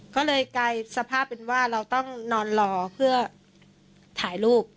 ก็เลยกลายสภาพเป็นว่าเราต้องนอนรอเพื่อถ่ายรูป